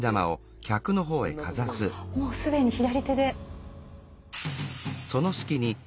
もう既に左手で。